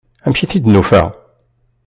Amek ay t-id-nufa?